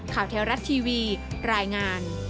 ข่าวแท้รัฐทีวีรายงาน